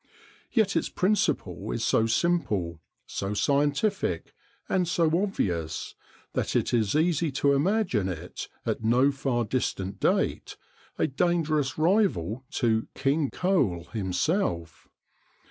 Yet its principle is so simple, so scientific, and so obvious, that it is easy to imagine it at no far distant date a dangerous rival to King Coal himself.